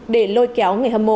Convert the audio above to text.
để lôi kéo người hâm mộ